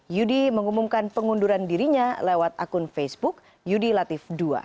yudi mengumumkan pengunduran dirinya lewat akun facebook yudi latif dua